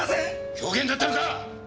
狂言だったのか！？